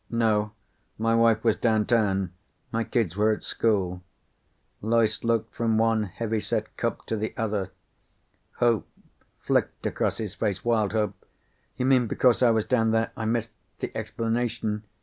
"No. My wife was downtown. My kids were at school." Loyce looked from one heavy set cop to the other. Hope flicked across his face, wild hope. "You mean because I was down there I missed the explanation?